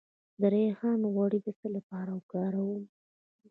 د ریحان غوړي د څه لپاره وکاروم؟